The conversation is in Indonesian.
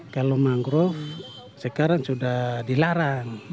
kalau mangrove sekarang sudah dilarang